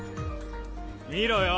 見ろよ